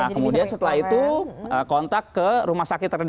nah kemudian setelah itu kontak ke rumah sakit terdekat